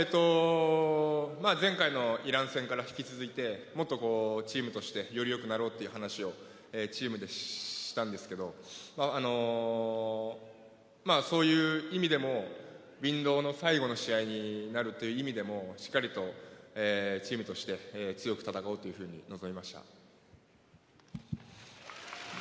前回のイラン戦から引き続いてもっとチームとしてよりよくなろうという話をチームでしたんですけどそういう意味でもＷｉｎｄｏｗの最後の試合になるという意味でもしっかりとチームとして強く戦おうというふうに臨めました。